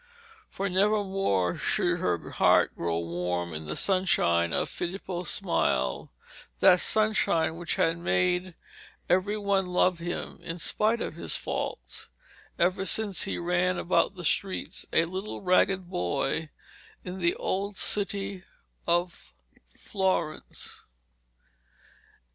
For never more should her heart grow warm in the sunshine of Filippo's smile that sunshine which had made every one love him, in spite of his faults, ever since he ran about the streets, a little ragged boy, in the old city of Florence.